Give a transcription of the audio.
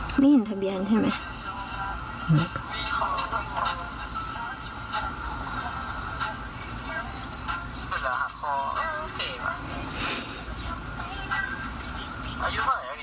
ไม่เห็นทะเบียนใช่ไหม